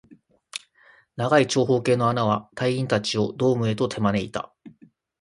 黒い長方形の穴は、隊員達をドームへと手招いていた